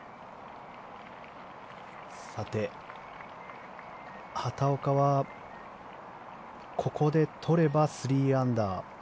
さて、畑岡はここで取れば３アンダー。